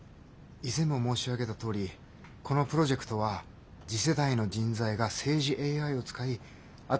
以前も申し上げたとおりこのプロジェクトは次世代の人材が政治ＡＩを使い新しい政治を行うためのものです。